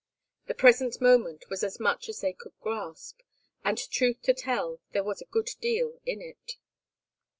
The present moment was as much as they could grasp, and truth to tell there was a good deal in it.